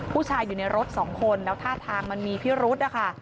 ผู้ชายอยู่ในรถสองคนแล้วท่าทางมันมีพิรุธนะคะ